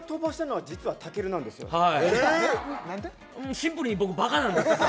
シンプルに僕ばかなんです